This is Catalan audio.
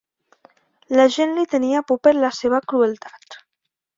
La gent li tenia por per la seva crueltat.